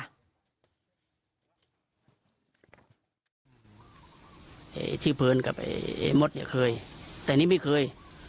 ไอ้ที่เพ้ิ้ลกับไอ้ไอ้มงศอย่าเคยแต่นี่ไม่เคย